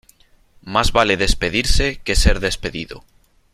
Más vale despedirse que ser despedido.